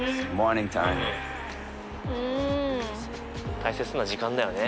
大切な時間だよね。